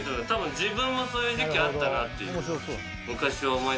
多分自分もそういう時期あったなっていう。